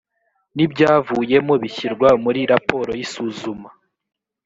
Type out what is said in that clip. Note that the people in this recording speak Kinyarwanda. n ibyavuyemo bishyirwa muri raporo y isuzuma